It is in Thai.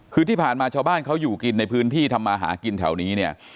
คือที่ผ่านมาชาวบ้านเขาอยู่กินในพื้นที่ทำมาหากินแถวนี้เนี่ย